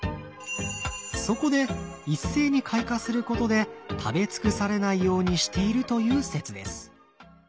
そこで一斉に開花することで食べ尽くされないようにしているという説です。